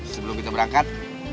sebelum kita berangkat